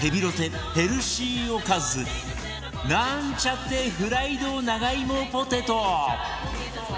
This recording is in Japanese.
ヘルシーおかずなんちゃってフライド長芋ポテト